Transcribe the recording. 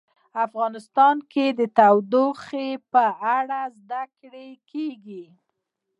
افغانستان کې د تودوخه په اړه زده کړه کېږي.